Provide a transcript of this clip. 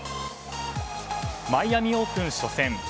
マイアミ・オープン初戦。